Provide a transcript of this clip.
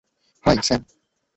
High, Sam!